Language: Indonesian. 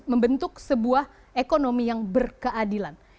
membentuk sebuah ekonomi yang berkeadilan